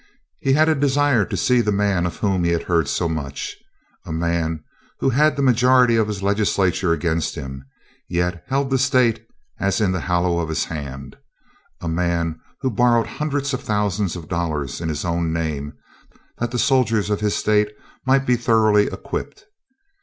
He had a desire to see the man of whom he had heard so much—a man who had the majority of his legislature against him, yet held the state as in the hollow of his hand—a man who borrowed hundreds of thousands of dollars in his own name, that the soldiers of his state might be thoroughly equipped.